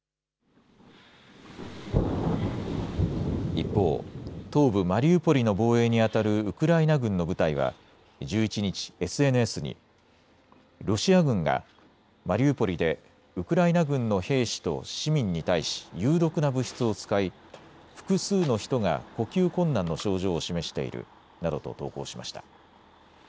一方、東部マリウポリの防衛にあたるウクライナ軍の部隊は１１日、ＳＮＳにロシア軍がマリウポリでウクライナ軍の兵士と市民に対し有毒な物質を使い複数の人が呼吸困難の症状を示しているなどと投稿しました。